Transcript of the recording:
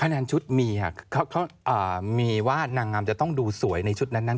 แนนชุดมีมีว่านางงามจะต้องดูสวยในชุดนั้น